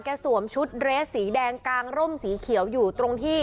สวมชุดเรสสีแดงกางร่มสีเขียวอยู่ตรงที่